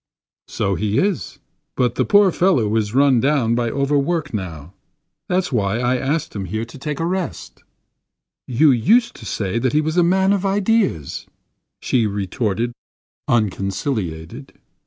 "So he is. But the poor fellow is run down by overwork now. That's why I asked him here to take a rest." "You used to say he was a man of ideas," she retorted, unconciliated.